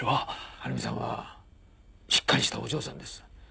晴美さんはしっかりしたお嬢さんです。